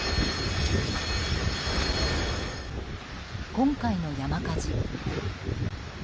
今回の山火事。